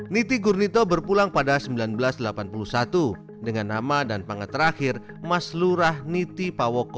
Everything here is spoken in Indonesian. niti gurnito berpulang pada seribu sembilan ratus delapan puluh satu dengan nama dan pangkat terakhir mas lurah niti pawoko